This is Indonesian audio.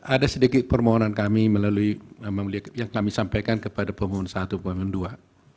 ada sedikit permohonan kami melalui yang kami sampaikan kepada pemohon satu pemohon dua